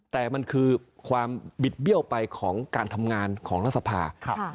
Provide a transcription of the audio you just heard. แต่มันคือความบิดเบี้ยวไปของการทำงานของรัฐสภา